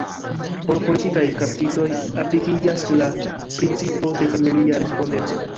Por politikaj kaptitoj aplikiĝas la principo de familia respondeco.